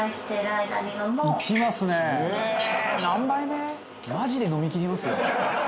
「マジで飲みきりますよ」